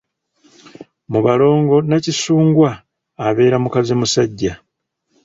Mu balongo Nakisungwa abeera mukazimusajja.